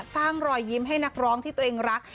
รอยยิ้มให้นักร้องที่ตัวเองรัก